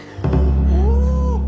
お！